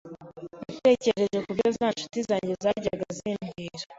natekereje ku byo za nshuti zanjye zajyaga zimbwira